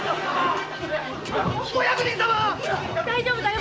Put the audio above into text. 大丈夫だよ。